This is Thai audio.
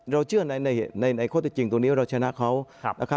เราเชื่อในความจริงตรงนี้ว่าเราชนะเขา